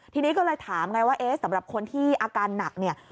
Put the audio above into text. ทีนี้ก็เลยถามไงว่าเอ๊ะสำหรับคนที่อาการหนักเนี่ย